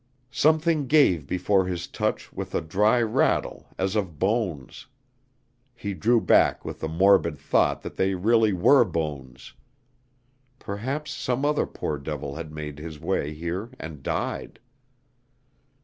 Something gave before his touch with a dry rattle as of bones. He drew back with the morbid thought that they really were bones. Perhaps some other poor devil had made his way here and died.